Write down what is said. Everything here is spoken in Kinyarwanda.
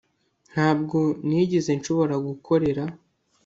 ntabwo nigeze nshobora gukorera